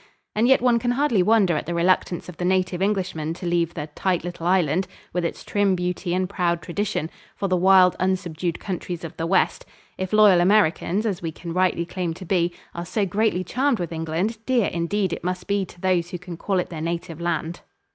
And yet one can hardly wonder at the reluctance of the native Englishman to leave the "tight little island," with its trim beauty and proud tradition, for the wild, unsubdued countries of the West. If loyal Americans, as we can rightly claim to be, are so greatly charmed with England, dear indeed it must be to those who can call it their native land.